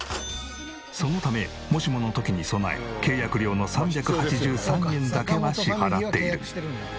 そのためもしもの時に備え契約料の３８３円だけは支払っている。